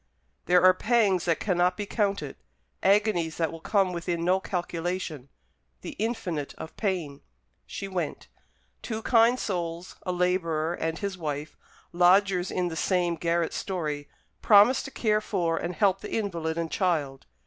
There are pangs that cannot be counted, agonies that will come within no calculation the infinite of pain. She went. Two kind souls, a labourer and his wife, lodgers in the same garret story, promised to care for and help the invalid and child.